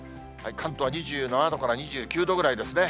関東は２７度から２９度ぐらいですね。